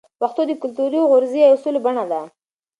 پښتو د کلتوري غورزی اصولو بڼه ده.